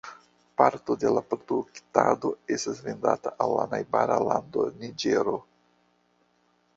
Parto de la produktado estas vendata al la najbara lando Niĝero.